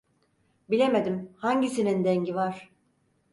Bilemedim hangisinin dengi var.